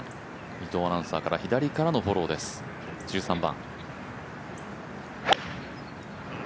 伊藤アナウンサーからの左からのフォローです、１３番。